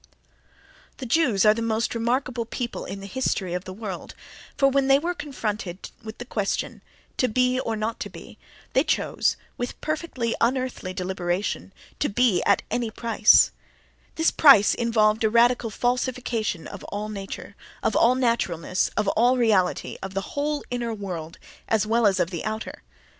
— John iv, 22. The Jews are the most remarkable people in the history of the world, for when they were confronted with the question, to be or not to be, they chose, with perfectly unearthly deliberation, to be at any price: this price involved a radical falsification of all nature, of all naturalness, of all reality, of the whole inner world, as well as of the outer.